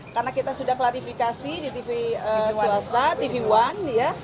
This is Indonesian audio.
karena kita sudah klarifikasi di tv swasta tv one ya